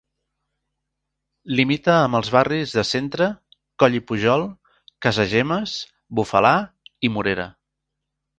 Limita amb els barris de Centre, Coll i Pujol, Casagemes, Bufalà i Morera.